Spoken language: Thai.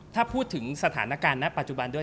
ถ้าพูดถึงสถานการณ์ณปัจจุบันด้วย